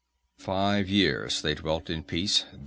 "Five years they dwelt in peace.